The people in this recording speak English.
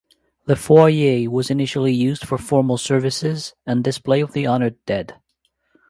The foyer was initially used for formal services and display of the honored dead.